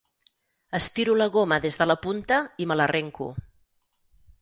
Estiro la goma des de la punta i me l'arrenco.